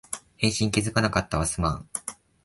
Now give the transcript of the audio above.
返信気づかなかったわ、すまん